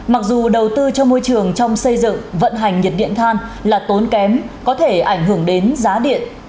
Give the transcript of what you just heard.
mặc dù đầu tư cho môi trường trong xây dựng vận hành nhiệt điện than là tốn kém có thể ảnh hưởng đến giá điện